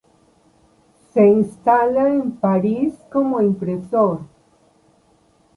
Se instala en París como impresor.